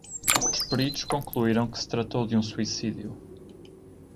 Os peritos concluiram que se tratou de um suicídio.